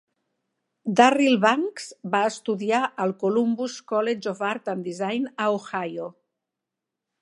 Darryl Banks va estudiar al Columbus College of Art and Design a Ohio.